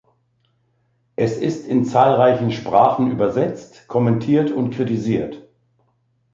Es ist in zahlreichen Sprachen übersetzt, kommentiert und kritisiert.